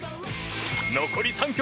残り３曲。